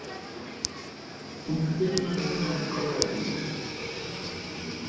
উনাদের মাঝে নাক গলাবেন না!